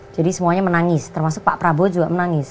jadi semuanya menangis termasuk pak prabowo juga menangis